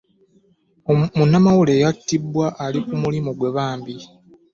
Munnamawulire yattibwa ali ku mulimu gwe bambi!